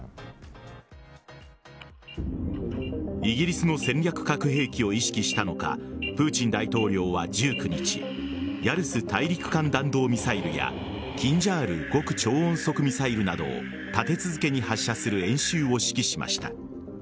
イギリスの戦略核兵器を意識したのかプーチン大統領は１９日ヤルス大陸間弾道ミサイルやキンジャール極超音速ミサイルなどを立て続けに発射する演習を指揮しました。